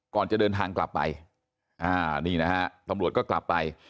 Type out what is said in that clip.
ก่อนจะเดินทางกลับไปอ่านี่นะฮะตำรวจก็กลับไป